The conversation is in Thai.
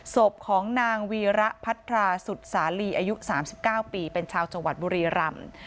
ศพของนางวีระพัทราสุดสาลีอายุ๓๙ปีเป็นชาวจังหวัดบุรีรำ